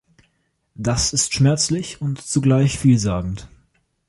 Das ist schmerzlich und zugleich vielsagend.